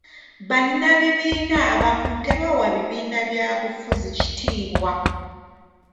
Bannabibiina abamu tebawa bibiina bya bufuzi kitiibwa.